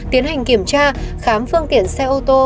tiến hành kiểm tra khám phương tiện xe ô tô